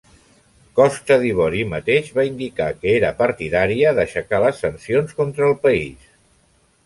Costa d'Ivori mateix va indicar que era partidària d'aixecar les sancions contra el país.